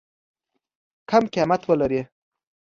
کم قیمت ولري.